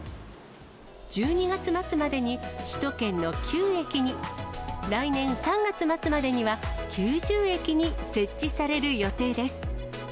１２月末までに、首都圏の９駅に、来年３月末までには、９０駅に設置される予定です。